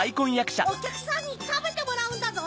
おきゃくさんにたべてもらうんだぞ！